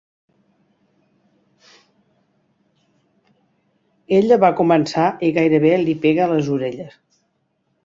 "Ella va començar i gairebé li pega a les orelles".